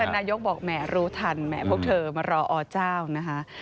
นายกบอกแหมรู้ทันแหมพวกเธอมารออเจ้านะคะ